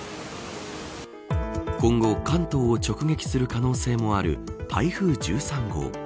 今後、関東を直撃する可能性もある台風１３号。